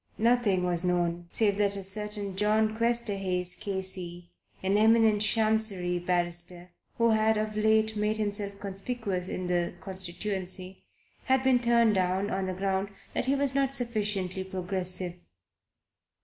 Nothing was known, save that a certain John Questerhayes, K. C., an eminent Chancery barrister, who had of late made himself conspicuous in the constituency, had been turned down on the ground that he was not sufficiently progressive.